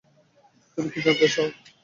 তুমি কি জানতে চাও?